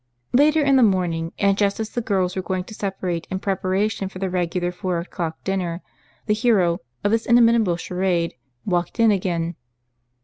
Later in the morning, and just as the girls were going to separate in preparation for the regular four o'clock dinner, the hero of this inimitable charade walked in again.